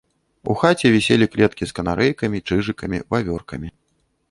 У хаце віселі клеткі з канарэйкамі, чыжыкамі, вавёркамі.